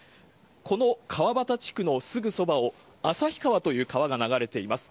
この川反地区のすぐそばを、旭川という川が流れています。